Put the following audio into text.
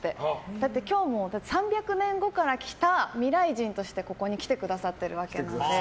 だって、今日も３００年後から来た未来人として、ここに来てくださってるわけなんで。